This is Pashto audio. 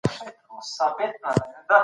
ټولې دروازې په کلکه بندي سوي دي.